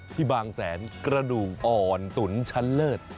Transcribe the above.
บางแสนกระดูกอ่อนตุ๋นชั้นเลิศ